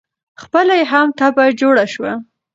خپله یې هم تبعه جوړه شوه.